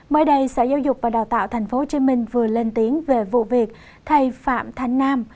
mới đây sở giáo dục và đào tạo tp hcm vừa lên tiếng về vụ việc thầy phạm thanh nam